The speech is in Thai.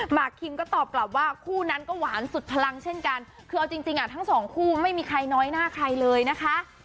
คิมก็ตอบกลับว่าคู่นั้นก็หวานสุดพลังเช่นกันคือเอาจริงจริงอ่ะทั้งสองคู่ไม่มีใครน้อยหน้าใครเลยนะคะ